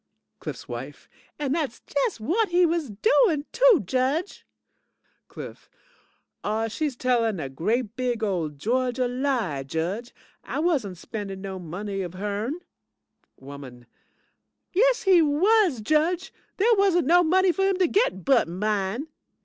CLIFF'S WIFE And dat's just whut he was doing, too, Judge. CLIFF AW, she's tellin' a great big ole Georgia lie, Judge. I wasn't spendin' no money of her'n. WOMAN Yes he was, Judge. There wasn't no money for him to git but mine.